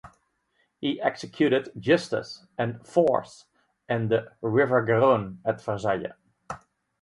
He executed "Justice" and "Force" and the "River Garonne" at Versailles.